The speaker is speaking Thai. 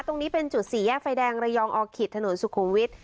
ตรงนี้เป็นจุดสี่แยกไฟแดงระยองออคิตถนนสุขุมวิทย์